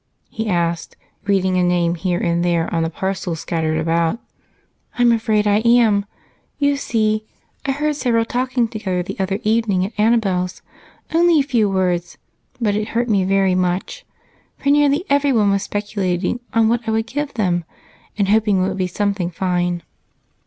he asked, reading a name here and there on the parcels scattered about. "I'm afraid I am. You see I heard several talking together the other evening at Annabel's, only a few words, but it hurt me very much, for nearly everyone was speculating on what I would give them and hoping it would be something fine.